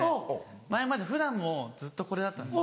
前まで普段もずっとこれだったんです。